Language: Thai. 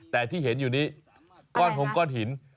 แต่ที่เห็นอยู่นี้ก้อนหงก้อนหิน